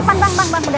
oke ini banyak semuanya